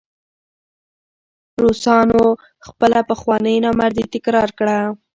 روسانو خپله پخوانۍ نامردي تکرار کړه.